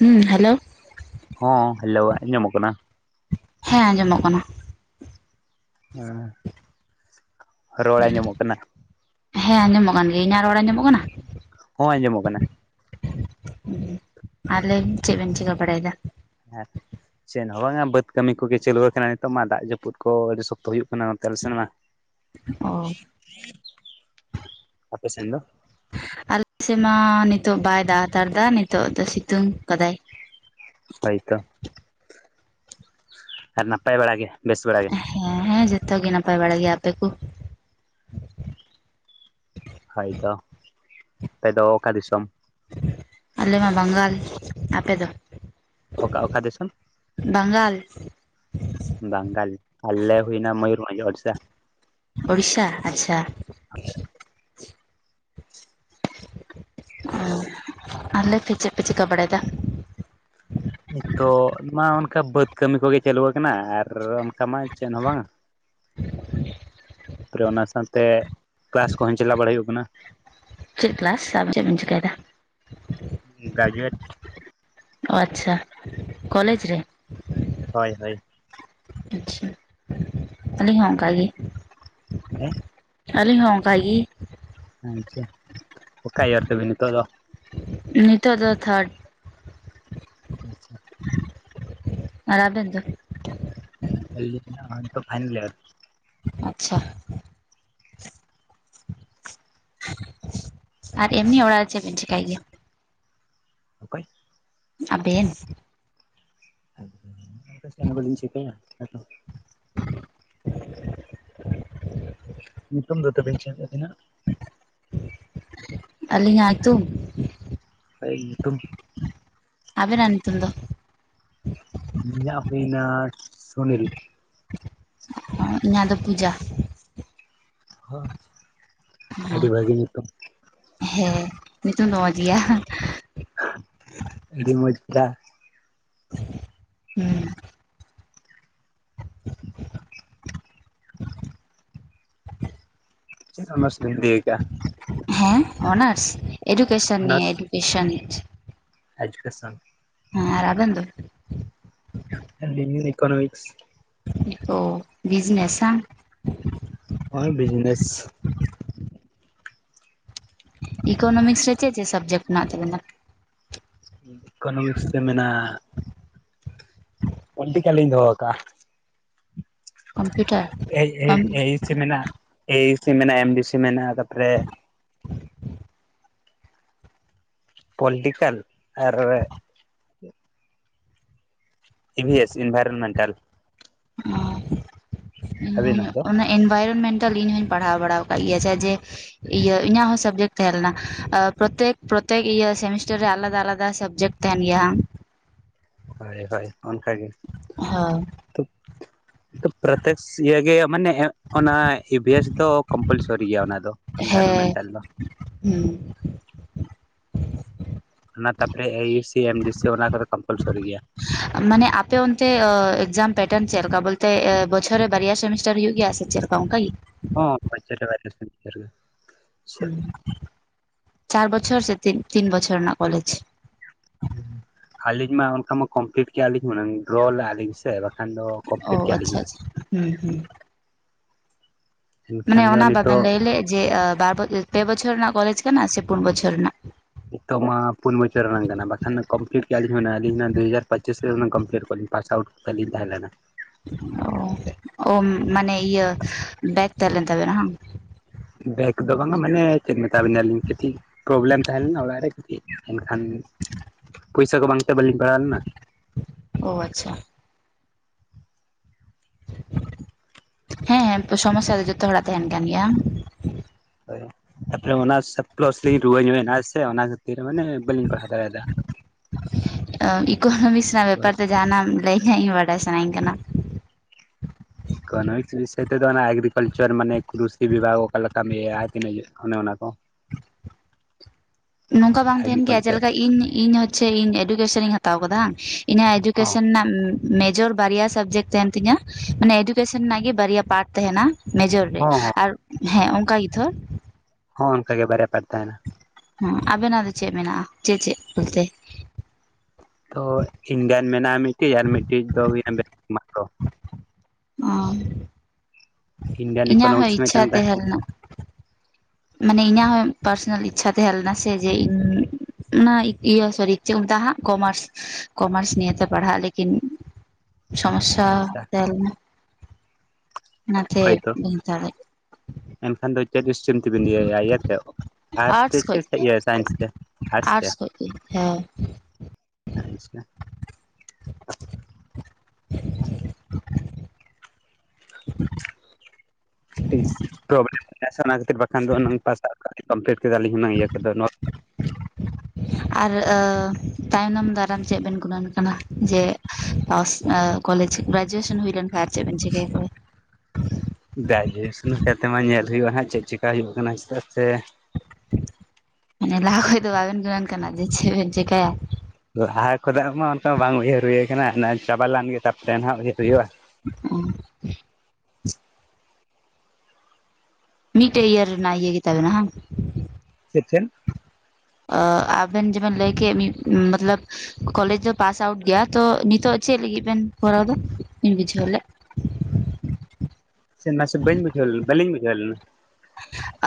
ᱦᱩᱸ ᱦᱮᱞᱳ ᱾ ᱦᱚᱸ ᱦᱮᱞᱳ ᱟᱸᱡᱚᱢᱚᱜ ᱠᱟᱱᱟ ᱾ ᱦᱮᱸ ᱟᱸᱡᱚᱢᱚᱜ ᱠᱟᱱᱟ ᱾ ᱦᱮᱸ ᱨᱚᱲ ᱟᱸᱡᱚᱢᱚᱜ ᱠᱟᱱᱟ ᱾ ᱦᱮᱸ ᱟᱡᱚᱢ ᱠᱟᱱ ᱜᱤᱭᱟᱹ᱾ ᱤᱧᱟᱹᱜ ᱨᱚᱲ ᱟᱡᱚᱢᱚᱜ ᱠᱟᱱᱟ ᱾ ᱦᱚᱸ ᱟᱸᱡᱚᱢᱚᱜ ᱠᱟᱱᱟ ᱾ ᱟᱨ ᱞᱟᱹᱭ ᱵᱮᱱ ᱪᱮᱫ ᱵᱮᱱ ᱪᱤᱠᱟᱹ ᱵᱟᱲᱟᱭᱮᱫᱟ? ᱦᱮᱸ ᱾ ᱪᱮᱫ ᱵᱟᱝᱟ ᱵᱟᱹᱫᱽ ᱠᱟᱹᱢᱤ ᱠᱚᱜᱮ ᱪᱟᱹᱞᱩᱣ ᱟᱠᱟᱱᱟ, ᱱᱤᱛᱚᱜ ᱢᱟ ᱫᱟᱜ ᱡᱟᱹᱯᱩᱫ ᱠᱚ ᱟᱹᱰᱤ ᱥᱚᱠᱛᱚ ᱦᱩᱭᱩᱜ ᱠᱟᱱᱟ ᱱᱚᱛᱮ ᱟᱞᱮ ᱥᱮᱱ ᱢᱟ ᱾ ᱚ ᱟᱯᱮ ᱥᱮᱱ ᱫᱚ ᱾ ᱟᱞᱮᱥᱮᱫ ᱢᱟ ᱱᱤᱛᱚᱜ ᱵᱟᱭ ᱫᱟᱜ ᱦᱟᱛᱟᱲ ᱫᱟ, ᱱᱤᱛᱚᱜ ᱫᱚ ᱥᱤᱛᱩᱝ ᱠᱟᱫᱟᱭ ᱾ ᱦᱳᱭ ᱛᱚ ᱾ ᱟᱨ ᱱᱟᱯᱟᱭ ᱵᱟᱲᱟ ᱜᱮ ᱵᱮᱥ ᱵᱟᱲᱟ ᱜᱮ ᱾ ᱦᱮᱸ ᱦᱮᱸ ᱡᱚᱛᱚᱜ ᱜᱮ ᱱᱟᱯᱟᱭ ᱵᱟᱲᱟ ᱜᱮᱭᱟ ᱟᱯᱮ ᱠᱚ ᱾ [inaudible] ᱦᱳᱭ ᱛᱚ ᱾ᱟᱯᱮ ᱫᱚ ᱚᱠᱟ ᱫᱤᱥᱚᱢ? ᱟᱞᱮ ᱢᱟ ᱵᱟᱝᱜᱟᱞ᱾ ᱟᱯᱮ ᱫᱚ ᱚᱠᱟ ᱚᱠᱟ ᱫᱤᱥᱚᱢ ᱵᱟᱝᱜᱟᱞ ᱵᱟᱝᱜᱟᱞ᱾ ᱟᱞᱮ ᱦᱩᱭᱱᱟ ᱢᱟᱭᱩᱨᱵᱷᱚᱱᱡᱽ ᱳᱲᱤᱥᱟ᱾ ᱳᱲᱤᱥᱟ ᱟᱪᱪᱷᱟ ᱾ ᱟᱨ ᱞᱟᱹᱭ ᱯᱮ ᱪᱮᱫ ᱯᱮ ᱪᱤᱠᱟᱹ ᱵᱟᱲᱟᱭᱮᱫᱟ ᱾ ᱱᱤᱛᱚᱜ ᱢᱟ ᱚᱱᱠᱟ ᱵᱟᱹᱫᱽ ᱠᱟᱹᱢᱤ ᱠᱚᱜᱮ ᱪᱟᱹᱞᱩᱣᱟ ᱠᱟᱱᱟ ᱟᱨ ᱚᱱᱠᱟ ᱢᱟ ᱪᱮᱫ ᱦᱚᱸ ᱵᱟᱝ-ᱟ ᱾ ᱛᱟᱨᱯᱚᱨᱮ ᱚᱱᱟ ᱥᱟᱶᱛᱮ ᱠᱞᱟᱥ ᱠᱚᱦᱚᱸ ᱪᱟᱞᱟᱣ ᱵᱟᱲᱟ ᱦᱩᱭᱩᱜ ᱠᱟᱱᱟ ᱾ ᱪᱮᱫ ᱠᱞᱟᱥ? ᱟᱢ ᱪᱮᱫ ᱮᱢ ᱪᱤᱠᱟᱹᱭ ᱫᱟ ᱜᱨᱮᱡᱩᱭᱮᱴ ᱚ ᱟᱪᱪᱷᱟ ᱠᱚᱞᱮᱡᱽ ᱨᱮ ᱦᱳᱭ ᱦᱳᱭ ᱟᱪᱪᱷᱟ ᱟᱹᱞᱤᱧ ᱦᱚᱸ ᱚᱱᱠᱟ ᱜᱮ᱾ ᱦᱮᱸ ᱟᱹᱞᱤᱧ ᱦᱚᱸ ᱚᱱᱠᱟ ᱜᱮ᱾ ᱟᱪᱪᱷᱟ᱾ᱚᱠᱟ ᱤᱭᱟᱨ ᱛᱟᱵᱮᱱ ᱱᱤᱛᱚᱜ ᱫᱚ ᱱᱤᱛᱚᱜ ᱫᱚ ᱛᱷᱟᱨᱰ ᱟᱪᱪᱷᱟ ᱟᱨ ᱟᱵᱮᱱ ᱫᱚ ᱟᱞᱤᱧᱟᱠ ᱯᱷᱟᱭᱱᱞ ᱤᱭᱟᱨ ᱟᱪᱪᱷᱟ ᱟᱨ ᱮᱢᱱᱤ ᱚᱲᱟᱜ ᱨᱮ ᱪᱮᱫ ᱵᱮᱱ ᱪᱮᱠᱟ ᱮᱜ ᱜᱮᱭᱟ᱾ ᱚᱠᱚᱭ ᱟᱵᱮᱱ [inaudible] ᱪᱮᱫ ᱦᱚᱸ ᱵᱟᱞᱤᱧ ᱪᱮᱠᱟᱭᱟ ᱟᱫᱚ ᱧᱩᱛᱩᱢ ᱫᱚ ᱪᱮᱫ ᱟᱵᱤᱱᱟᱜ? ᱟᱞᱤᱧᱟ ᱧᱩᱛᱩᱢ ᱦᱚᱭ ᱧᱩᱛᱩᱢ ᱟᱵᱮᱱᱟᱜ ᱧᱩᱛᱩᱢ ᱫᱚ ᱤᱧᱟᱜ ᱦᱩᱭᱱᱟ ᱥᱩᱱᱤᱞ ᱤᱧᱟᱹᱜ ᱫᱚ ᱯᱩᱡᱟ᱾ ᱦᱚᱸ ᱟᱪᱪᱷᱟ ᱟᱹᱰᱤ ᱵᱷᱟᱹᱜᱤ ᱧᱩᱛᱩᱢ᱾ ᱦᱮᱸ, ᱧᱩᱛᱩᱢ ᱢᱚᱡᱽ ᱜᱮᱭᱟ᱾ ᱟᱹᱰᱤ ᱢᱚᱡᱽ [inaudible] ᱦᱮᱸ ᱪᱮᱫ ᱚᱱᱟᱨᱥ ᱵᱮᱱ ᱞᱟᱹᱭ ᱠᱟᱜ-ᱟ᱾ ᱦᱮᱸ ᱚᱱᱟᱨᱥ, ᱮᱰᱩᱠᱮᱥᱚᱱ ᱱᱤᱭᱮ ᱚᱱᱟᱨᱥ ᱮᱰᱩᱠᱮᱥᱚᱱ ᱮᱰᱩᱠᱮᱥᱚᱱ ᱦᱮᱸ᱾ᱟᱨ ᱟᱵᱮᱱ ᱫᱚ? ᱟᱞᱤᱧ ᱫᱚ ᱤᱠᱳᱱᱚᱢᱤᱠᱥ ᱛᱚ ᱵᱤᱡᱱᱮᱥ ᱦᱚᱭ ᱵᱤᱡᱱᱮᱥ ᱤᱠᱳᱱᱚᱢᱤᱠᱥ ᱨᱮ ᱪᱮᱫ ᱪᱮᱫ ᱥᱟᱵᱡᱮᱠᱴ ᱢᱮᱱᱟᱜ ᱛᱟᱵᱮᱱᱟ? ᱤᱠᱳᱱᱚᱢᱤᱠᱥ ᱨᱮ ᱢᱮᱱᱟᱜᱼᱟ ᱯᱚᱞᱴᱤᱠᱮᱞᱤᱧ ᱫᱚᱦᱚ ᱠᱟᱜ-ᱟ᱾ ᱠᱚᱢᱯᱤᱭᱩᱴᱟᱨ ᱠᱚᱢ ᱮ ᱥᱤ ᱢᱮᱱᱟᱜ ᱮ ᱥᱤ ᱢᱮᱱᱟᱜᱼᱟ, ᱮᱢ ᱰᱤ ᱥᱤ ᱢᱮᱱᱟᱜᱼᱟ᱾ ᱛᱟᱨᱯᱚᱨᱮ ᱯᱚᱞᱤᱴᱤᱠᱟᱞ ᱟᱨ ᱤ ᱵᱷᱤ ᱮᱥ ᱤᱱᱵᱷᱟᱭᱨᱚᱱᱢᱮᱱᱴᱟᱞ ᱚ ᱤᱧᱦᱚᱧ ᱟᱹᱵᱤᱱᱟᱜ ᱫᱚ ᱚᱱᱮ ᱤᱱᱵᱟᱭᱨᱢᱮᱱᱴᱟᱞ ᱤᱧ ᱦᱚᱧ ᱯᱟᱲᱦᱟᱣ ᱵᱟᱲ ᱟᱠᱟᱫ ᱜᱮᱭᱟ᱾ ᱡᱮ ᱤᱭᱟᱹ ᱤᱧᱟᱹᱜ ᱦᱚᱸ ᱥᱟᱵᱡᱮᱠᱴ ᱛᱟᱦᱮᱸᱞᱮᱱᱟ᱾ ᱯᱨᱚᱛᱮᱠ ᱯᱨᱚᱛᱮᱠ ᱤᱭᱟᱹ ᱥᱮᱢᱤᱥᱴᱟᱨ ᱨᱮ ᱟᱞᱟᱫᱟ, ᱟᱞᱟᱫᱟ ᱥᱟᱵᱡᱮᱠᱴ ᱛᱟᱦᱮᱱ ᱜᱮᱭᱟ ᱦᱟᱝ ᱦᱳᱭ ᱦᱳᱭ ᱚᱱᱠᱟ ᱜᱮ ᱦᱳᱭ [inaudible] ᱯᱨᱚᱛᱮᱠ ᱤᱭᱟᱹ ᱜᱮ ᱢᱟᱱᱮ ᱚᱱᱟ ᱤ ᱵᱷᱤ ᱮᱥ ᱫᱚ ᱠᱚᱢᱯᱟᱞᱥᱚᱨᱤ ᱜᱮᱭᱟ ᱚᱱᱟ ᱫᱚ᱾ ᱦᱮᱸ ᱤᱱᱵᱷᱟᱨᱢᱮᱱᱴᱟᱞ ᱫᱚ ᱦᱩᱸ ᱚᱱᱟ ᱛᱟᱯᱚᱨᱮ ᱮ ᱩ ᱥᱤ, ᱮᱢ ᱡᱤ ᱥᱤ ᱚᱱᱟ ᱠᱚᱫᱚ ᱠᱚᱢᱯᱟᱞᱥᱚᱨᱤ ᱜᱮᱭᱟ᱾ ᱢᱟᱱᱮ ᱟᱯᱮ ᱚᱱᱛᱮ ᱮᱠᱡᱟᱢ ᱯᱮᱴᱟᱨᱱ ᱪᱮᱫ ᱞᱮᱠᱟ, ᱵᱚᱞᱛᱮ ᱵᱚᱪᱷᱚᱨ ᱨᱮ ᱵᱟᱨᱭᱟ ᱥᱮᱢᱤᱥᱴᱟᱨ ᱦᱩᱭᱩᱜᱜ ᱜᱮᱭᱟ ᱥᱮ ᱪᱮᱫ ᱞᱮᱠᱟ? ᱚᱱᱠᱟ ᱜᱮ ᱦᱚᱸ [unintelligible] ᱪᱟᱨ ᱵᱚᱪᱷᱚᱨ ᱥᱮ ᱛᱤᱱ ᱵᱚᱪᱚᱨ ᱨᱮᱱᱟᱜ ᱠᱚᱞᱮᱡᱽ? ᱟᱹᱞᱤᱧ ᱢᱟ ᱚᱱᱠᱟ ᱢᱟ ᱠᱚᱢᱯᱞᱤᱴ ᱠᱮᱜ ᱞᱤᱧ ᱦᱩᱱᱟᱹᱝ, ᱰᱨᱚ ᱞᱮᱫᱼᱟ ᱞᱤᱧ ᱥᱮ ᱵᱟᱝ ᱚ ᱟᱪᱪᱷᱟ ᱟᱪᱪᱷᱟ ᱦᱩᱸ ᱦᱩᱸ ᱮᱱᱠᱷᱟᱱ ᱢᱟᱱᱮ ᱫᱚ ᱚᱱᱟ ᱵᱟᱵᱮᱱ ᱱᱤᱛᱚᱜ ᱞᱟᱹᱭ ᱞᱮᱫ, ᱡᱮ ᱵᱟᱨ ᱯᱮ ᱵᱚᱪᱷᱚᱨ ᱨᱮᱱᱟᱜ ᱠᱚᱞᱮᱡᱽ ᱠᱟᱱᱟ ᱥᱮ ᱯᱩᱱ ᱵᱚᱪᱷᱚᱨ ᱨᱮᱱᱟᱜ ᱱᱤᱛᱚᱜ ᱢᱟ ᱯᱩᱱ ᱵᱚᱪᱷᱚᱨ ᱨᱮᱱᱟᱜ ᱠᱟᱱᱟ᱾ ᱵᱟᱠᱷᱟᱱ ᱠᱚᱢᱯᱞᱤᱴ ᱠᱮᱭᱟ ᱞᱤᱧ ᱦᱩᱭᱱᱟ, ᱟᱹᱞᱤᱧ ᱫᱩ ᱦᱟᱡᱟᱨᱚᱸᱪᱤᱥ ᱨᱮ ᱠᱚᱢᱯᱞᱤᱴ ᱠᱚᱣᱟᱞᱤᱧ ᱯᱟᱥ ᱟᱟᱣᱩᱴ ᱵᱟᱹᱞᱤᱧ ᱛᱟᱦᱮᱸ ᱞᱮᱱᱟ᱾ ᱚ ᱢᱟᱱᱮ ᱤᱭᱟᱹ ᱵᱮᱜᱽ ᱛᱟᱦᱮᱸ ᱞᱮᱱ ᱛᱟᱵᱮᱱᱟ ᱦᱟᱝ ᱵᱮᱜᱽ ᱫᱚ ᱵᱟᱝ-ᱟ ᱢᱟᱱᱮ ᱪᱮᱫ ᱢᱮᱛᱟᱵᱤᱱᱟᱞᱤᱧ ᱠᱟᱹᱴᱤᱡ ᱯᱨᱚᱵᱞᱮᱢ ᱛᱟᱦᱮᱸ ᱞᱮᱱᱟ ᱚᱲᱟᱜ ᱨᱮ ᱮᱱᱠᱷᱟᱱ ᱯᱚᱭᱥᱟ ᱠᱚ ᱵᱟᱝ ᱛᱮ ᱵᱟᱹᱞᱤᱧ ᱯᱟᱲᱦᱟᱣ ᱞᱮᱱᱟ᱾ ᱚ ᱟᱪᱪᱷᱟ ᱦᱮᱸ ᱦᱮᱸ ᱥᱚᱢᱚᱥᱥᱟ ᱫᱚ ᱡᱚᱛᱚ ᱦᱚᱲᱟᱜ ᱛᱟᱦᱮᱱ ᱠᱟᱱ ᱜᱮᱭᱟ᱾ ᱦᱳᱭ ᱛᱟᱯᱚᱨᱮ ᱚᱱᱟ [unintelligible] ᱨᱩᱣᱟᱹ ᱧᱚᱜ ᱮᱱᱟ ᱥᱮ ᱚᱱᱟ ᱠᱷᱟᱹᱛᱤᱨ ᱢᱟᱱᱮ ᱵᱟᱹᱞᱤᱧ ᱯᱟᱲᱦᱟᱣ ᱫᱟᱲᱮᱭᱟᱫᱟ᱾ ᱤᱠᱳᱱᱚᱢᱤᱠᱥ ᱨᱮᱱᱟᱜ ᱵᱮᱯᱟᱨ ᱵᱟᱥ ᱛᱮ ᱡᱟᱦᱟᱱᱟᱜ ᱞᱟᱹᱭ ᱠᱷᱟᱡ ᱵᱟᱰᱟᱭ ᱥᱟᱱᱟᱧ ᱠᱟᱱᱟ᱾ [inaudible] ᱤᱠᱳᱱᱚᱢᱤᱠᱥ ᱵᱤᱥᱚᱭ ᱛᱮᱫᱚ ᱚᱱᱟ ᱮᱜᱨᱤᱠᱟᱞᱪᱟᱨ ᱢᱟᱱᱮ [unintelligible] ᱵᱤᱵᱷᱟᱜᱽ ᱚᱠᱟ ᱞᱮᱠᱟ ᱤᱭᱟ. ᱛᱤᱱᱟᱹᱜ ᱤᱭᱟ. ᱜ ᱚᱱᱮ ᱚᱱᱟ ᱠᱚ᱾ [inaudible] ᱱᱚᱝᱠᱟ ᱵᱟᱝ ᱛᱟᱦᱮᱱ ᱜᱮᱭᱟ? ᱮᱜᱽᱨᱤᱠᱟᱞᱪᱟᱨ ᱡᱮᱞᱮᱠᱟ ᱤᱧ ᱤᱧ ᱦᱚᱪᱪᱮ ᱤᱧ ᱮᱰᱩᱠᱮᱥᱚᱱ ᱤᱧ ᱦᱟᱛᱟᱣ ᱠᱟᱫᱟ ᱦᱟᱝ ᱤᱧᱟᱜ ᱦᱚᱸ ᱮᱰᱡᱩᱠᱮᱥᱚᱱ ᱱᱟᱜ ᱢᱮᱡᱚᱨ ᱵᱟᱨᱭᱟ ᱥᱟᱵᱡᱮᱠᱴ ᱛᱟᱦᱮᱱ ᱛᱤᱧᱟᱹ᱾ ᱢᱟᱱᱮ ᱮᱰᱩᱠᱮᱥᱚᱱ ᱨᱮᱱᱟᱜ ᱜᱮ ᱵᱟᱨᱭᱟ ᱯᱟᱨᱴ ᱛᱟᱦᱮᱱᱟ᱾ ᱢᱮᱡᱚᱨ ᱨᱮ᱾ ᱦᱚᱸ ᱟᱨ ᱦᱮᱸ ᱦᱚᱸ ᱚᱱᱠᱟ ᱜᱮᱛᱚ ᱦᱚᱸ ᱚᱱᱠᱟ ᱜᱮ ᱵᱟᱨᱭᱟ ᱯᱟᱨᱴ ᱛᱟᱦᱮᱱᱟ᱾ ᱦᱮ ᱟᱵᱮᱱᱟᱜ ᱫᱚ ᱪᱮᱫ ᱢᱮᱱᱟᱜᱼᱟ ᱪᱮᱫ ᱪᱮᱫ ᱵᱚᱞᱛᱮ? ᱛᱚ ᱤᱱᱰᱤᱭᱟᱱ ᱢᱮᱱᱟᱜᱼᱟ ᱢᱤᱫᱴᱤᱡ ᱟᱨ ᱢᱤᱫᱴᱤᱡ ᱫᱚ ᱦᱩᱭᱱᱟᱮᱥᱚ ᱚ ᱾ ᱤᱱᱰᱤᱭᱟᱱ ᱤᱠᱳᱱᱚᱢᱤᱠᱥ ᱢᱤᱫᱴᱮᱱ ᱛᱟᱦᱮᱸ ᱞᱮᱱᱟ ᱢᱟᱱᱮ ᱤᱧᱟᱹᱜ ᱦᱚᱸ ᱯᱟᱨᱥᱚᱱᱟᱞ ᱤᱪᱪᱷᱟ ᱛᱟᱦᱮᱸ ᱞᱮᱱᱟ ᱥᱮ ᱡᱮ ᱤᱧ ᱚᱱᱟ ᱤᱭᱟᱹ ᱥᱳᱨᱤ ᱪᱮᱫᱠᱚ ᱢᱮᱛᱟᱜ ᱟᱦᱟᱸᱜ ᱠᱚᱢᱟᱨᱥ᱾ ᱠᱚᱢᱟᱨᱥ ᱱᱤᱭᱮᱛᱮ ᱯᱟᱲᱦᱟᱜ ᱞᱮᱠᱤᱱ ᱥᱚᱢᱚᱥᱥᱟ ᱟᱪᱪᱷᱟ ᱛᱟᱦᱮᱸ ᱞᱮᱱᱟ᱾ ᱚᱱᱟᱛᱮ ᱦᱳᱭᱛᱚ ᱵᱟᱹᱧ ᱦᱟᱛᱟᱣ ᱞᱮᱫ ᱮᱱᱠᱷᱟᱱ ᱫᱚ ᱪᱮᱫ ᱤᱭᱟᱹ ᱛᱮ ᱟᱨᱴᱥ ᱛᱮ ᱥᱟᱭᱮᱱᱥ ᱛᱮ ᱟᱨᱴᱥ ᱛᱮ? ᱠᱷᱚᱡ ᱜᱮ ᱦᱮᱸ᱾ ᱟᱪᱪᱷᱟ᱾ [inaudible] [inaudible] [unintelligible] ᱚᱱᱟ ᱠᱷᱟᱹᱛᱤᱨ ᱵᱟᱠᱷᱟᱱ ᱫᱚ ᱯᱟᱥᱼᱟᱜ ᱠᱚᱢᱯᱞᱤᱴ ᱠᱮᱫᱟᱞᱤᱧ ᱦᱩᱱᱟᱝ ᱤᱭᱟᱹ ᱠᱚᱫᱚ ᱱᱚᱣᱟ ᱦ [inaudible] ᱟᱨ ᱛᱟᱭᱱᱚᱢ ᱫᱟᱨᱟᱢ ᱪᱮᱫ ᱵᱮᱱ ᱜᱩᱱᱟᱹᱱ ᱠᱟᱱᱟ ᱡᱮ ᱯᱟᱥ ᱠᱚᱞᱮᱡᱽ ᱜᱨᱟᱡᱩᱭᱮᱥᱚᱱ ᱦᱩᱭ ᱞᱮᱱ ᱠᱷᱟᱨ ᱟᱨ ᱪᱮᱫ ᱵᱤᱱ ᱪᱤᱠᱟᱹᱭᱟ? ᱜᱨᱟᱡᱩᱭᱮᱥᱚᱱ ᱠᱟᱛᱮ ᱢᱟ ᱧᱮᱞ ᱦᱩᱭᱩᱜᱼᱟ ᱦᱟᱸᱜ ᱪᱮᱫ ᱪᱮᱠᱟ ᱦᱩᱭᱩᱜ ᱠᱟᱱᱟ ᱪᱮᱫᱟᱜ ᱥᱮ ᱢᱟᱱᱮ ᱞᱟᱦᱟ ᱠᱷᱚᱡ ᱫᱚ ᱵᱟᱵᱮᱱ ᱠᱟᱱᱟ ᱡᱮ ᱪᱮᱫ ᱵᱮᱱ ᱪᱤᱠᱟᱹᱭᱟ? ᱞᱟᱦᱟ ᱠᱷᱫᱟᱜ ᱢᱟ ᱚᱱᱠᱟ ᱵᱟᱝ ᱩᱭᱦᱟᱹᱨ ᱦᱩᱭ ᱟᱠᱟᱱᱟ ᱪᱟᱵᱟ ᱞᱮᱱ ᱜᱮ ᱛᱟᱨᱯᱚᱛᱮ ᱱᱟᱜ ᱩᱭᱦᱟᱹᱨ ᱦᱩᱭᱩᱜᱼᱟ᱾ ᱚ [inaudible] ᱢᱤᱫᱴᱮᱡ ᱤᱭᱟᱹᱟ ᱨᱮᱱᱟᱜ ᱤᱭᱟᱹ ᱜᱮ ᱛᱟᱵᱮᱱᱟ ᱦᱟᱝ? ᱪᱮᱫ ᱪᱮᱫ? ᱟ ᱟᱵᱮᱱ ᱡᱮᱵᱤᱱ ᱞᱟᱹᱭ ᱠᱮᱫ ᱢᱤᱫ ᱢᱚᱛᱞᱚᱵ ᱠᱚᱞᱮᱡ ᱫᱚ ᱯᱟᱥ ᱟᱣᱩᱴ ᱜᱮᱭᱟ ᱛᱚ ᱱᱤᱛᱚᱜ ᱪᱮᱫ ᱞᱟᱹᱜᱤᱫ ᱵᱮᱱ ᱠᱚᱨᱟᱣ ᱫᱟ ᱵᱟᱹᱧ ᱵᱩᱡᱷᱟᱹᱣ ᱞᱮᱜ? ᱥᱮ ᱢᱟᱥᱮ ᱵᱟᱹᱧ ᱵᱩᱡᱷᱟᱹᱣ ᱵᱟᱞᱤᱧ ᱵᱩᱡᱷᱟᱹᱣ ᱞᱮᱱᱟ᱾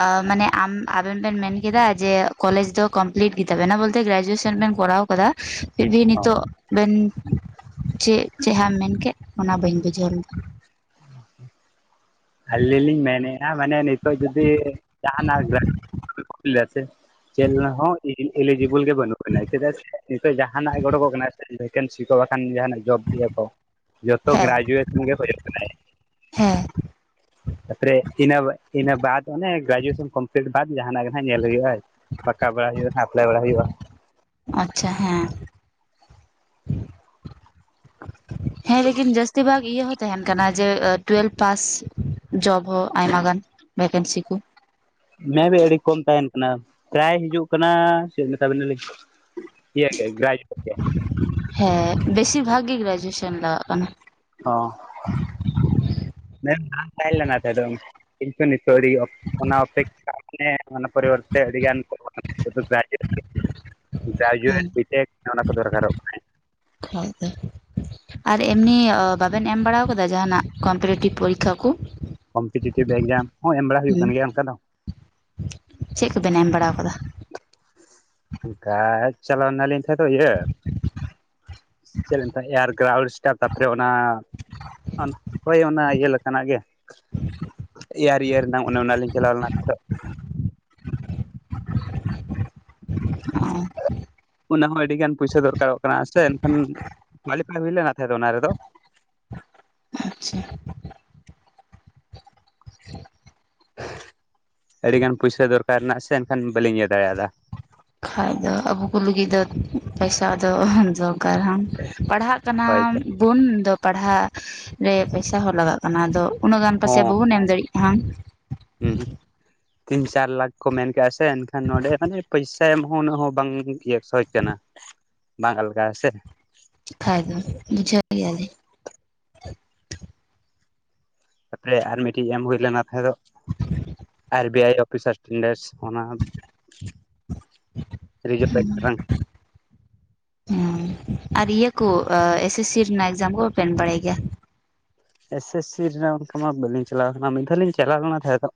ᱚ ᱢᱟᱱᱮ ᱟᱢ ᱟᱵᱮᱱ ᱵᱮᱱ ᱢᱮᱱ ᱠᱮᱫᱟ ᱡᱮ ᱠᱚᱞᱮᱡᱽ ᱫᱚ ᱠᱚᱢᱯᱞᱤᱴ ᱜᱮ ᱛᱟᱵᱮᱱᱟ ᱵᱚᱞᱛᱮ ᱜᱨᱟᱡᱩᱭᱮᱥᱟᱱ ᱵᱮᱱ ᱠᱚᱨᱟᱣ ᱠᱟᱫᱟ ᱯᱷᱤᱨᱵᱷᱤ ᱱᱤᱛᱚᱜ ᱵᱮᱱ ᱪᱮᱜ ᱪᱮᱦᱟᱜ ᱢᱮᱱ ᱠᱮᱜ ᱚᱱᱟ ᱵᱟᱹᱧ ᱵᱩᱡᱷᱟᱹᱣ ᱞᱮᱫᱟ᱾ ᱟᱹᱞᱤᱧ ᱞᱤᱧ ᱢᱮᱱᱮᱜᱼᱟ ᱢᱟᱱᱮ ᱱᱤᱛᱚᱜ ᱡᱩᱫᱤ ᱡᱟᱦᱟᱸᱱᱟᱜ [unintelligible] ᱥᱮ ᱪᱮᱞ ᱞᱮᱦᱚᱸ ᱮᱞᱤᱼᱮᱞᱤᱡᱤᱵᱚᱞ ᱜᱮ ᱵᱟᱹᱱᱩᱜ ᱵᱮᱱᱟ ᱪᱮᱫᱟᱜ ᱥᱮ ᱱᱤᱛᱚᱜ ᱡᱟᱦᱟᱱᱟᱜ ᱜᱮ ᱚᱰᱚᱠᱚᱜ ᱠᱟᱱᱟ ᱵᱷᱮᱱᱥᱤ ᱠᱚ ᱵᱟᱠᱷᱟᱱ ᱡᱟᱦᱟᱱᱟᱜ ᱡᱚᱵ ᱜᱤᱭᱟᱠᱚ ᱡᱚᱛᱚ ᱦᱮᱸ ᱜᱨᱟᱡᱩᱭᱮᱥᱚᱱ ᱜᱮ ᱦᱩᱭᱩᱜ ᱠᱟᱱᱟ᱾ ᱦᱮᱸ᱾ ᱛᱟᱯᱚᱨᱮ ᱤᱱᱟᱹ ᱤᱱᱟᱹ ᱵᱟᱫ ᱚᱱᱮ ᱜᱨᱟᱡᱩᱭᱮᱥᱟᱱ ᱠᱚᱢᱯᱞᱤᱴ ᱵᱟᱫ ᱡᱟᱦᱟᱱᱟᱜ ᱜᱮ ᱱᱟᱜ ᱧᱮᱞ ᱦᱩᱭᱩᱜᱼᱟ ᱟᱨᱠᱤ᱾ ᱯᱟᱠᱟ ᱵᱟᱲᱟ ᱦᱩᱭᱩᱜᱼᱟ ᱟᱯᱞᱟᱭ ᱵᱟᱲᱟ ᱦᱩᱭᱩᱜᱼᱟ᱾ ᱟᱪᱪᱷᱟ ᱦᱮᱸ᱾ ᱦᱮᱸ ᱞᱮᱠᱤᱱ ᱡᱟᱹᱥᱛᱤ ᱵᱷᱟᱜ ᱤᱭᱟᱹ ᱦᱚᱸ ᱛᱟᱦᱮᱱ ᱠᱟᱱᱟ ᱡᱮ ᱴᱩᱭᱮᱞᱵᱷ ᱯᱟᱥ ᱡᱚᱵ ᱦᱚ ᱟᱭᱢᱟ ᱜᱟᱱ᱾ ᱵᱷᱮᱠᱮᱱᱥᱤ ᱠᱩ᱾ ᱢᱮᱵᱤ ᱟᱹᱰᱤ ᱠᱚᱢ ᱛᱟᱦᱮᱱ ᱠᱟᱱᱟ᱾ ᱯᱨᱟᱭ ᱦᱤᱡᱩᱜ ᱠᱟᱱᱟ ᱪᱮᱫ ᱢᱮᱛᱟ ᱵᱤᱱᱟᱞᱤᱧ ᱤᱭᱟᱹ ᱜᱨᱟᱡᱩᱭᱮᱴ ᱜᱮ᱾ ᱦᱮᱸ ᱵᱮᱥᱤᱨ ᱵᱷᱟᱜ ᱜᱮ ᱜᱨᱟᱡᱩᱭᱮᱥᱟᱱ ᱞᱟᱜᱟᱜ ᱠᱟᱱᱟ᱾ ᱚ [unintelligible] ᱚᱱᱟ ᱚᱯᱮ [unintelligible] ᱢᱟᱱ ᱯᱚᱨᱤᱵᱚᱨᱛᱮ ᱟᱹᱰᱤᱜᱟᱱ [unintelligible] ᱦᱮᱸ ᱜᱨᱟᱡᱩᱭᱮᱴ ᱵᱤᱴᱮᱠ ᱚᱱᱟ ᱠᱚ ᱫᱚᱨᱠᱟᱨᱚᱜ ᱠᱟᱱᱟ [unintelligible] ᱟᱨ ᱮᱢᱱᱤ ᱵᱟᱵᱮᱱ ᱮᱢ ᱵᱟᱲᱟᱣ ᱠᱟᱫᱟ ᱡᱟᱦᱟᱱᱟᱜ ᱠᱚᱢᱯᱮᱨᱤᱴᱤᱵᱷ ᱯᱚᱨᱤᱠᱠᱷᱟ ᱠᱚ ᱠᱚᱢᱯᱤᱴᱤᱴᱤᱵᱽ ᱮᱠᱡᱟᱢ ᱦᱚᱸ ᱮᱢ ᱵᱟᱲᱟ ᱦᱩᱭᱩᱜ ᱠᱟᱱ ᱜᱮᱭᱟ ᱚᱝᱠᱟ ᱫᱚ ᱪᱮᱜ ᱠᱳᱵᱮᱱ ᱮᱢ ᱵᱟᱲᱟᱣ ᱠᱟᱫᱟ ᱚᱝᱠᱟ ᱪᱟᱞᱟᱣᱱᱟᱞᱤᱧ ᱛᱟᱦᱮᱸᱫᱚᱜ ᱤᱭᱟᱹ ᱪᱮᱫ ᱞᱤᱧᱛᱟᱜ ᱮᱭᱟᱨ ᱜᱨᱟᱣᱩᱰ ᱥᱴᱟᱯ ᱛᱟᱯᱚᱨᱮ ᱚᱱᱟ ᱦᱳᱭ ᱚᱱᱟ ᱤᱭᱟᱹ ᱞᱮᱠᱟᱱᱟᱜ ᱜᱮ ᱮᱭᱟᱨ ᱤᱭᱟᱹᱨᱮᱱᱟᱜ ᱚᱱᱮ ᱱᱟ ᱞᱤᱧ ᱪᱟᱞᱟᱣ ᱞᱮᱱᱟ ᱛᱟᱦᱮᱸᱫᱚᱜ [inaudible] ᱚᱱᱟ ᱦᱚᱸ ᱟᱹᱰᱤ ᱜᱟᱱ ᱯᱩᱭᱥᱟᱹ ᱫᱚᱨᱠᱟᱨᱚᱜ ᱠᱟᱱᱟ ᱥᱮ ᱮᱱᱠᱷᱟᱱ ᱠᱳᱣᱟᱞᱤᱯᱷᱟᱭ ᱦᱩᱭ ᱞᱮᱱᱟ ᱛᱟᱦᱮᱸᱫᱚᱜ ᱚᱱᱟ ᱨᱮᱫᱚ ᱟᱪᱪᱷᱟ ᱟᱹᱰᱤᱜᱟᱱ ᱯᱩᱭᱥᱟᱹ ᱫᱚᱨᱠᱟᱨᱮᱱᱟ ᱥᱮ ᱮᱱᱠᱷᱟᱱ ᱵᱟᱹᱞᱤᱧ ᱤᱭᱟᱹ ᱫᱟᱲᱮᱭᱟᱫᱟ ᱠᱷᱟᱡ ᱫᱚ ᱟᱵᱳᱠᱩ ᱞᱟᱹᱜᱤᱫ ᱫᱚ ᱯᱟᱭᱥᱟ ᱫᱚ ᱫᱚᱨᱠᱟᱨᱟᱱ ᱯᱟᱲᱦᱟᱜ ᱠᱟᱱᱟᱢ ᱦᱳᱭᱛᱚ ᱵᱳᱱ ᱫᱚ ᱯᱟᱲᱦᱟᱜ ᱨᱮ ᱯᱟᱭᱥᱟ ᱦᱚᱸ ᱞᱟᱜᱟᱜ ᱠᱟᱱᱟ ᱟᱫᱚ ᱩᱱᱟᱹᱜ ᱜᱟᱱ ᱯᱟᱹᱥᱮ ᱦᱚᱸ ᱵᱟᱵᱚᱱ ᱮᱢ ᱫᱟᱲᱮᱜ ᱦᱟᱱ ᱦᱩᱸ ᱛᱤᱱ ᱪᱟᱨ ᱞᱟᱠᱷ ᱠᱚ ᱢᱮᱱ ᱠᱟᱜᱼᱟ ᱥᱮ ᱮᱱᱠᱷᱟᱱ ᱱᱚᱰᱮ ᱢᱟᱱᱮ ᱯᱟᱭᱥᱟ ᱮᱢ ᱦᱚᱸ ᱩᱱᱟᱹᱜ ᱦᱚᱸ ᱵᱟᱝ ᱥᱚᱦᱚᱡ ᱠᱟᱱᱟ ᱵᱟᱝ ᱟᱞᱜᱟ ᱟᱥᱮ ᱵᱟᱠᱷᱟᱡ ᱫᱚ ᱵᱩᱡᱷᱟᱹᱣ ᱜᱮᱭᱟᱞᱤᱧ ᱛᱟᱯᱚᱨᱮ ᱟᱨ ᱢᱤᱼᱴᱤᱡ ᱮᱢ ᱦᱩᱭ ᱞᱮᱱᱟ ᱛᱟᱦᱮᱸᱫᱚᱜ R B I of officer tenders ᱚᱱᱟ ᱨᱤᱡᱚᱵ ᱵᱮᱸᱠ ᱨᱮᱱᱟᱝ ᱦᱩᱸᱻ ᱟᱨ ᱤᱭᱟᱹ ᱠᱳ ᱟᱻ ᱮᱥ ᱮᱥ ᱥᱤ ᱨᱮᱱᱟᱜ ᱮᱠᱡᱟᱢ ᱠᱚ ᱵᱟᱯᱮ ᱮᱢ ᱵᱟᱲᱟᱭ ᱜᱮᱭᱟ ᱮᱥ ᱮᱥ ᱥᱤ ᱨᱮᱱᱟᱜ ᱚᱝᱠᱟ ᱢᱟ ᱵᱟᱹᱞᱤᱧ ᱪᱟᱞᱟᱣ ᱠᱟᱱᱟ ᱢᱤᱫ ᱫᱷᱟᱣ ᱞᱤᱧ ᱪᱟᱞᱟᱣ ᱞᱮᱱᱟ ᱛᱟᱦᱮᱸᱫᱚᱜ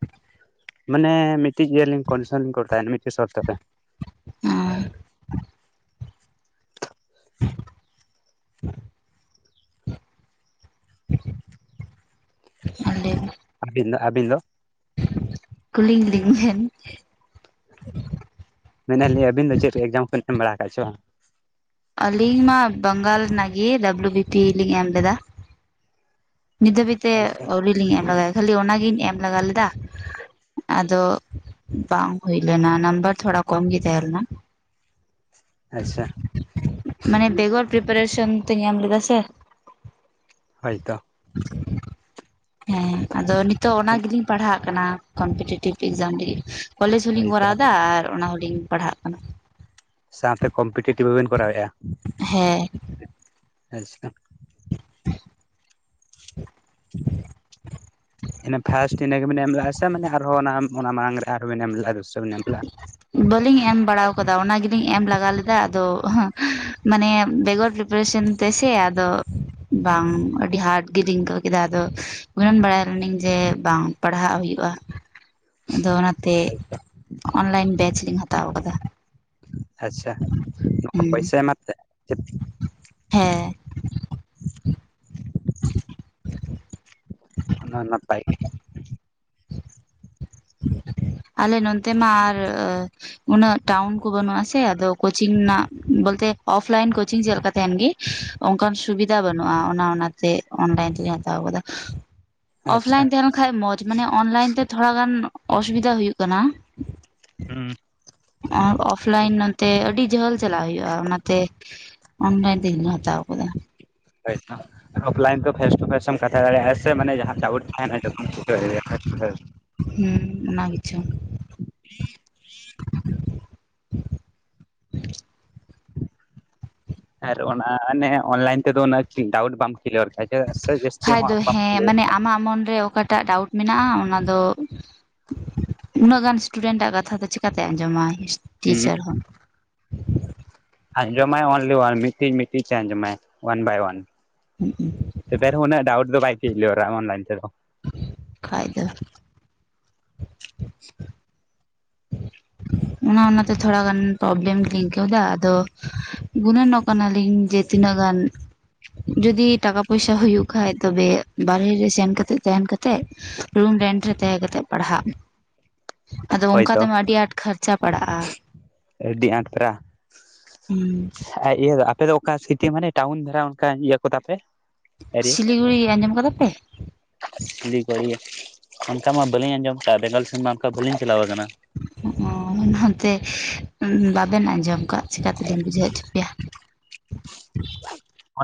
ᱢᱟᱱᱮ ᱢᱤᱜᱴᱤᱡ ᱜᱮᱞᱤᱧ ᱠᱚᱱᱥᱚᱱ ᱞᱤᱧ ᱠᱚᱴᱥᱣᱱᱟ ᱢᱤᱴᱤᱡ ᱥᱚᱨᱛᱚ ᱛᱮ ᱦᱚᱸ ᱟᱨ ᱞᱟᱹᱭᱵᱤᱱ ᱟᱵᱤᱱ ᱫᱚ ᱟᱵᱤᱱ ᱫᱚ ᱠᱩᱞᱤᱧ ᱞᱤᱧ ᱵᱷᱮᱱ ᱢᱮᱱᱮᱟᱞᱤᱧ ᱟᱹᱵᱤᱱ ᱫᱚ ᱪᱮᱫ ᱨᱮ ᱮᱠᱡᱟᱢ ᱠᱚᱵᱤᱱ ᱮᱢ ᱵᱟᱲᱟ ᱠᱟᱜᱼᱟ ᱪᱮ ᱵᱟᱝ ᱟᱞᱤᱧ ᱢᱟ ᱵᱟᱝᱜᱟᱞ ᱨᱮᱱᱟᱜ ᱜᱮ ᱰᱟᱵᱞᱩ ᱵᱤᱯᱤ ᱞᱤᱧ ᱮᱢ ᱞᱮᱫᱟ ᱱᱤᱛ ᱫᱷᱟᱹᱵᱤᱡ ᱛᱮ ᱟᱪᱪᱷᱟ ᱟᱹᱣᱲᱤ ᱞᱤᱧ ᱮᱢ ᱞᱮᱜᱟᱭᱟ ᱠᱷᱟᱹᱞᱤ ᱚᱱᱟᱜᱤᱧ ᱮᱢ ᱞᱮᱜᱟ ᱞᱮᱫᱟ ᱟᱫᱚ ᱵᱟᱝ ᱦᱩᱭᱞᱮᱱᱟ ᱱᱟᱢᱵᱟᱨ ᱛᱷᱚᱲᱟ ᱠᱚᱢᱜᱤ ᱛᱟᱦᱮᱸᱞᱮᱱᱟ [inaudible] ᱟᱪᱪᱷᱟ ᱢᱟᱱᱮ ᱵᱮᱜᱚᱨ ᱯᱨᱤᱯᱟᱨᱮᱥᱚᱱ ᱛᱮᱧ ᱮᱢ ᱞᱮᱫᱟ ᱥᱮ ᱦᱚᱭ ᱛᱚ [inaudible] ᱦᱮᱸ ᱟᱫᱚ ᱱᱤᱛᱳᱜ ᱚᱱᱟ ᱜᱮᱞᱤᱧ ᱯᱟᱲᱦᱟᱜ ᱠᱟᱱᱟ ᱠᱚᱢᱯᱤᱴᱤᱮᱴᱤᱵᱽ ᱮᱠᱡᱟᱢ ᱨᱮᱜᱮ ᱠᱚᱞᱮᱡᱽ ᱦᱚᱞᱤᱧ ᱦᱳᱭᱛᱚ ᱠᱚᱨᱟᱣ ᱮᱫᱟ ᱟᱨ ᱚᱱᱟ ᱦᱚᱞᱤᱧ ᱯᱟᱲᱦᱟᱜ ᱠᱟᱱᱟ [inaudible] ᱥᱟᱶᱛᱮ ᱠᱚᱢᱯᱤᱴᱮᱴᱤᱵᱷ ᱵᱟᱵᱮᱱ ᱠᱚᱨᱟᱣ ᱮᱜ -ᱟ ᱦᱮᱸ [unintelligible] [inaudible] ᱤᱱᱟᱹ ᱯᱷᱟᱥᱴ ᱤᱱᱟᱹ ᱜᱮᱵᱮᱱ ᱮᱢ ᱞᱮᱫᱼᱟ ᱥᱮ ᱢᱟᱱᱮ ᱟᱨᱦᱚᱸ ᱚᱱᱟ ᱢᱟᱲᱟᱝ ᱨᱮ ᱟᱨᱦᱚᱸ ᱵᱤᱱ ᱮᱢ ᱞᱮᱜ -ᱟ ᱫᱩᱥᱚ ᱵᱮᱱ ᱮᱢ ᱞᱮᱫᱼᱟ ᱵᱟᱹᱞᱤᱧ ᱮᱢ ᱵᱟᱲᱟ ᱠᱟᱫᱟ ᱚᱱᱟ ᱜᱮᱞᱤᱧ ᱮᱢ ᱞᱟᱜᱟ ᱞᱮᱫᱟ ᱟᱫᱚ ᱢᱟᱱᱮ ᱵᱮᱜᱚᱨ ᱯᱨᱤᱯᱟᱨᱮᱥᱚᱱ ᱛᱮ ᱥᱮ ᱟᱫᱚ ᱵᱟᱝ ᱟᱹᱰᱤ ᱦᱟᱨᱰ ᱜᱮᱞᱤᱧ ᱟᱹᱭᱠᱟᱹᱣ ᱠᱮᱫᱟ ᱟᱫᱚ ᱩᱱᱟᱹᱱ ᱵᱟᱲᱟᱭ ᱞᱤᱱᱟᱹᱧ ᱡᱮ ᱵᱟᱝ ᱯᱟᱲᱦᱟᱜ ᱦᱩᱭᱩᱜᱼᱟ ᱟᱫᱚ ᱚᱱᱟᱛᱮ ᱞᱮᱫᱼᱟ? ᱚᱱᱞᱟᱭᱤᱱ ᱵᱮᱪ ᱞᱤᱧ ᱦᱟᱛᱟᱣ ᱟᱠᱟᱫᱟ ᱟᱪᱪᱷᱟ ᱦᱩᱸ ᱯᱚᱭᱥᱟᱭ ᱮᱢᱟᱛᱮ [inaudible] ᱦᱮᱸ [inaudible] ᱚᱱᱟ ᱱᱟᱯᱟᱭ ᱜᱮ ᱟᱞᱮ ᱱᱚᱱᱛᱮ ᱢᱟ ᱟᱨ ᱩᱱᱟᱹᱜ ᱴᱟᱣᱩᱱ ᱠᱚ ᱵᱟᱹᱱᱩᱜ ᱟᱥᱮ ᱟᱫᱚ ᱠᱳᱪᱤᱝ ᱨᱮᱱᱟᱜ ᱵᱚᱞᱛᱮ ᱚᱯᱷ ᱞᱟᱭᱤᱱ ᱠᱳᱪᱤᱝ ᱪᱮᱫᱠᱟ ᱛᱟᱦᱮᱱ ᱜᱮ ᱚᱱᱠᱟᱱ ᱥᱩᱵᱤᱫᱷᱟ ᱵᱟᱹᱱᱩᱜᱼᱟ ᱚᱱᱟ ᱚᱱᱟᱛᱮ ᱚᱱᱞᱟᱭᱤᱱ ᱛᱮᱞᱮᱧ ᱦᱟᱛᱟᱣ ᱠᱟᱫᱟ ᱟᱪᱪᱷᱟ ᱚᱯᱷᱞᱟᱭᱤᱱ ᱛᱟᱦᱮᱸ ᱞᱮᱱ ᱠᱷᱟᱱᱡ ᱢᱚᱸᱡ ᱢᱟᱱᱮ ᱚᱱᱞᱟᱭᱤᱱ ᱛᱮ ᱛᱷᱚᱲᱟᱟᱜᱟᱱ ᱚᱥᱩᱵᱤᱫᱷᱟ ᱦᱩᱭᱩᱜ ᱠᱟᱱᱟ ᱦᱮᱸ [inaudible] ᱚᱯᱷᱞᱟᱭᱱ ᱛᱮ ᱟᱹᱰᱤ ᱡᱷᱟᱹᱞ ᱪᱟᱞᱟᱜ ᱦᱩᱭᱩᱜᱳᱜᱼᱟ ᱚᱱᱟᱛᱮ ᱚᱱᱞᱟᱭᱤᱱ ᱛᱮᱜ ᱦᱟᱛᱟᱣ ᱟᱠᱟᱫᱟ ᱦᱚᱭ ᱛᱚ ᱚᱯᱷᱞᱟᱭᱤᱱ ᱛᱮ ᱯᱷᱮᱥ ᱴᱩ ᱯᱷᱮᱥᱮ ᱮᱢ ᱠᱟᱛᱷᱟ ᱫᱟᱲᱮᱭᱟᱜᱼᱟ ᱥᱮ ᱢᱟᱱ ᱡᱟᱦᱟᱸ ᱰᱩᱴ ᱛᱟᱦᱮ [inaudible] ᱦᱩᱸ ᱚᱱᱟ ᱠᱤᱪᱷᱚᱝ ᱦᱮ [inaudible] ᱟᱨ ᱚᱱᱟ ᱚᱱᱮ ᱚᱱᱞᱟᱭᱤᱱ ᱛᱮᱫᱚ ᱩ ᱰᱟᱣᱩᱴ ᱵᱟᱢ ᱠᱤᱞᱤᱭᱟᱨ ᱠᱷᱟᱡ ᱠᱷ ᱫᱚ ᱦᱮᱸ ᱢᱟᱱᱮ ᱟᱢᱟᱜ ᱢᱚᱱᱨᱮ [unintelligible] ᱚᱠᱟᱴᱟᱜ ᱰᱟᱣᱩᱴ ᱢᱮᱱᱟᱜᱼᱟ ᱚᱱᱟ ᱫᱚ ᱩᱱᱟᱹᱜ ᱜᱟᱱ ᱤᱥᱴᱩᱰᱮᱱᱴ ᱟᱜ ᱠᱟᱛᱷᱟ ᱫᱚ ᱪᱤᱠᱟᱛᱮ ᱟᱸᱡᱚᱢᱟ ᱦᱩᱸ ᱴᱤᱪᱟᱨ ᱦᱚᱸ ᱟᱸᱡᱚᱢᱟᱭ ᱚᱱᱞᱤ ᱚᱭᱟᱱ ᱢᱤᱫᱴᱤᱡ ᱢᱤᱫᱴᱤᱡ ᱟᱸᱡᱚᱢᱟᱭ ᱚᱣᱟᱱ ᱵᱟᱭ ᱚᱣᱟᱱ ᱛᱚᱵ ᱩᱱᱟᱹᱜ ᱰᱟᱣᱩᱴ ᱫᱚ ᱵᱟᱭ ᱪᱮᱫ ᱞᱮ ᱚᱱᱞᱟᱭᱤᱱ ᱛᱮᱫᱚ ᱠᱷᱟ ᱫᱚ ᱚᱱᱟ ᱚᱱᱟᱛᱮ ᱛᱷᱚᱲᱟ ᱜᱟᱱ ᱯᱨᱚᱵᱞᱮᱢ ᱜᱤᱧ ᱟᱹᱭᱠᱟᱹᱣ ᱮᱭᱟ ᱟᱫᱚ ᱜᱩᱱᱟᱹᱱ ᱚ ᱠᱟᱱᱟᱞᱤᱧ ᱡᱮ ᱛᱤᱱᱟᱹᱜ ᱜᱟᱱ ᱡᱩᱚᱫᱤ ᱴᱟᱠᱟ ᱯᱚᱭᱥᱟ ᱦ ᱦᱩᱭᱩᱜᱭ ᱠᱷᱟᱱ ᱛᱚᱵᱮ ᱵᱟᱨᱦᱮ ᱨᱮ ᱥᱮᱱᱠᱟᱛᱮᱫ ᱛᱟᱦᱮᱸᱱ ᱠᱟᱛᱮᱜ ᱨᱩᱢ ᱨᱮᱱᱴ ᱨᱮ ᱛᱟᱦᱮᱸ ᱠᱟᱛᱮ ᱯᱟᱲᱦᱟᱜ ᱟᱫᱚ ᱚᱱᱠᱟ ᱦᱳᱭᱛᱚ ᱛᱮᱢᱟ ᱟᱹᱰᱤ ᱟᱸᱴ ᱠᱷᱚᱨᱪᱟ ᱯᱟᱲᱟᱜᱼᱟ ᱟᱹᱰᱤ ᱟᱸᱴ ᱯᱨᱟ [inaudible] ᱤᱭᱟᱹ ᱫᱚ ᱟᱯᱮ ᱫᱚ ᱚᱠᱟ ᱥᱤᱴᱤ ᱢᱟᱱᱮ ᱴᱟᱣᱩᱱ ᱫᱷᱟᱨᱟ ᱚᱱᱠᱟ ᱤᱭᱟᱹ ᱠᱚ ᱛᱟᱯᱮ ᱥᱤᱞᱤᱜᱩᱲᱤ ᱟᱸᱡᱚᱢ ᱠᱟᱫᱟ ᱯᱮ ᱤᱫᱤ ᱠᱚ [inaudible] ᱾ ᱚᱱᱠᱟ ᱢᱟ ᱵᱟᱹᱞᱤᱧ ᱟᱸᱡᱚᱢ ᱠᱟᱜᱼᱟ ᱵᱮᱝᱜᱚᱞ ᱥᱮᱱᱢᱟ ᱚᱱᱠᱟ ᱵᱟᱹᱞᱤᱧ ᱪᱟᱞᱟᱣ ᱠᱟᱱᱟ ᱾ [inaudible] ᱚ ᱦᱟᱱᱛᱮ ᱵᱟᱵᱮᱱ ᱟᱸᱡᱚᱢ ᱠᱟᱜ ᱪᱮᱠᱟ ᱛᱮᱞᱤᱧ ᱵᱩᱡᱷᱟᱹᱣ ᱦᱚᱪᱚ ᱯᱮᱭᱟ᱾